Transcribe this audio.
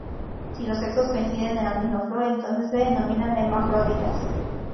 Si los sexos coinciden en la misma flor, entonces se denominan hermafroditas.